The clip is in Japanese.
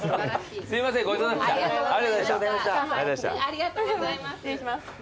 ありがとうございます。